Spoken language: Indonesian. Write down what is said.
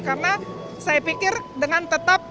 karena saya pikir dengan tetap